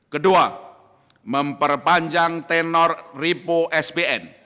kedua memperpanjang tenor repo spn